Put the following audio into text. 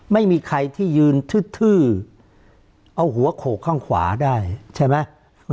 ไม่มีใครที่ยืนทืดเอาหัวโขกข้างขวาได้ใช่ไหม